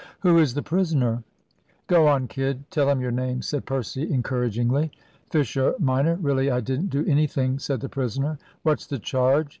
"Who is the prisoner?" "Go on, kid, tell 'em your name," said Percy, encouragingly. "Fisher minor really I didn't do anything," said the prisoner. "What's the charge?"